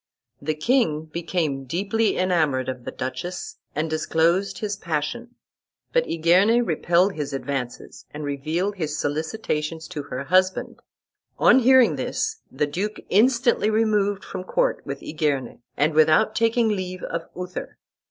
The king became deeply enamoured of the duchess, and disclosed his passion; but Igerne repelled his advances, and revealed his solicitations to her husband. On hearing this, the duke instantly removed from court with Igerne, and without taking leave of Uther.